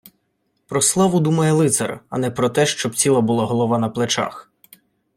Про славу думає лицар, а не про те, щоб ціла була голова на плечах.